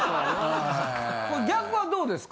これ逆はどうですか？